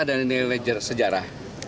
dan nilai sejarah